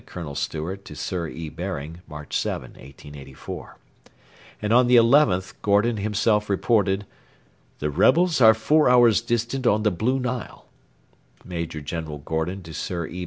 Colonel Stewart to Sir E. Baring, March 7, 1884.] and on the 11th Gordon himself reported: 'The rebels are four hours distant on the Blue Nile.' [Major General Gordon to Sir E.